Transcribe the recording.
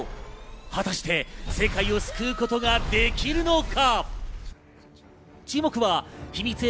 果たして世界を救うことができるのか？